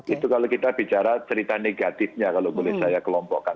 itu kalau kita bicara cerita negatifnya kalau boleh saya kelompokkan